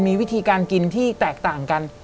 มีวิธีการกินที่แตกต่างกัน